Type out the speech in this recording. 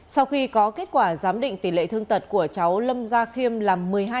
sau khi có kết quả giám định tỷ lệ thương tật của cháu lâm gia khiêm là một mươi hai